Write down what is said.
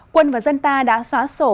quân và dân ta đã xóa sổ